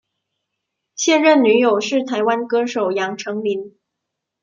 现任女友是台湾歌手杨丞琳。